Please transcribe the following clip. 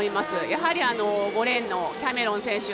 やはり５レーンのキャメロン選手